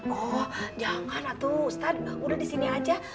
oh jangan atuh ustadz udah disini aja